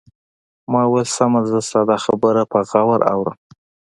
ما وویل: سمه ده، زه ستا دا خبره په غور اورم.